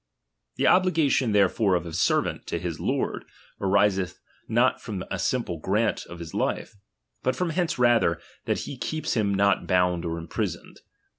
The obligation therefore of a servant to his lord, ariseth not from a simple grant of his life ; ,,ibut from hence rather, that he keeps him not ■■^ bound or imprisoned.